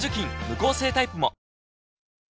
無香性タイプも！